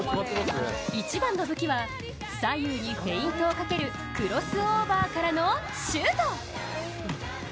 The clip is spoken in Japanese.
一番の武器は左右にフェイントをかけるクロスオーバーからのシュート。